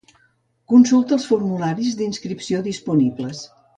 Consulta els formularis d'inscripció disponibles.